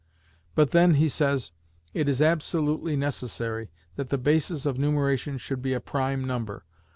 But then, he says, it is absolutely necessary that the basis of numeration should be a prime number.